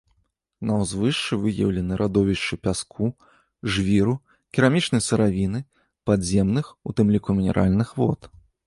На ўзвышшы выяўлены радовішчы пяску, жвіру, керамічнай сыравіны, падземных, у тым ліку мінеральных вод.